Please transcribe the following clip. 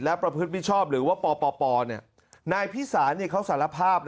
และประพฤติผิดชอบหรือว่าปปปเนี่ยนายพี่สานเขาสารภาพ